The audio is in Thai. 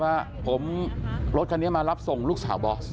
เขาบอกว่าผมรถค่ะมารับส่งลูกสาวบอส